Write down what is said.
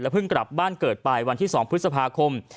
เพิ่งกลับบ้านเกิดไปวันที่๒พฤษภาคม